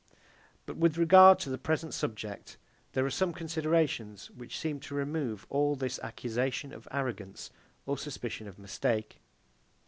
But with regard to the present subject, there are some considerations which seem to remove all this accusation of arrogance or suspicion of mistake.